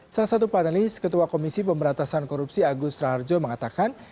salah satu panelis ketua komisi pemberantasan korupsi agus raharjo mengatakan